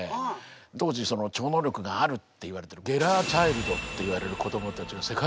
当時その超能力があるっていわれてるゲラー・チャイルドっていわれる子どもたちが世界中で出てきた。